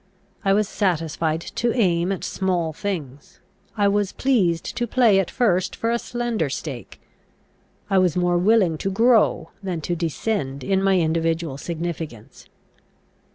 I was satisfied to aim at small things; I was pleased to play at first for a slender stake; I was more willing to grow than to descend in my individual significance.